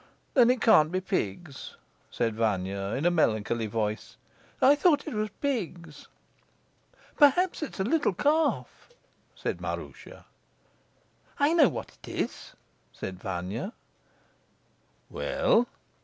"Then it can't be pigs," said Vanya, in a melancholy voice. "I thought it was pigs." "Perhaps it is a little calf," said Maroosia. "I know what it is," said Vanya. "Well?"